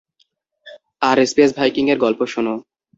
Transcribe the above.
আর space ভাইকিংয়ের গল্প শোনো।